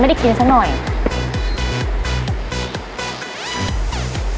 ไม่ต้องกลับมาที่นี่